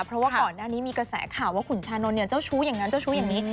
เพราะว่าก่อนหน้านี้มีกระแสข่าวว่าขุนชานนทเนี่ยเจ้าชู้อย่างนั้นเจ้าชู้อย่างนี้